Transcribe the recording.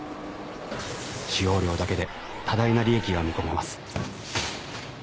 使用料だけで多大な利益が見込めます。